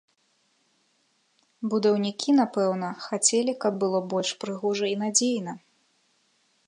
Будаўнікі, напэўна, хацелі, каб было больш прыгожа і надзейна.